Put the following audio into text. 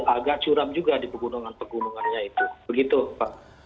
agak curam juga di pegunungan pegunungannya itu begitu pak